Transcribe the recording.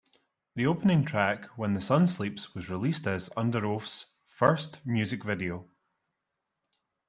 The opening track "When the Sun Sleeps" was released as Underoath's first music video.